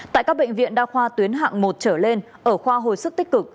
tại các bệnh viện đa khoa tuyến hạng một trở lên ở khoa hồi sức tích cực